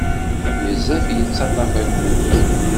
Bezzaf yettaṭaf akud.